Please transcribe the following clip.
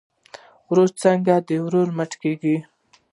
ورور څنګه د ورور مټ کیږي؟